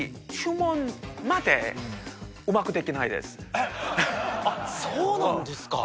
えっあっそうなんですか！